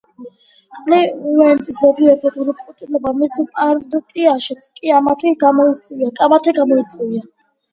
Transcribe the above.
კლივლენდის ზოგიერთმა გადაწყვეტილებამ მის პარტიაშიც კი კამათი გამოიწვია.